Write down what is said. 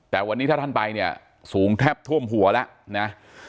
แต่วันนี้ถ้าท่านไปเนี่ยสูงแทบท่วมหัวแล้วนะ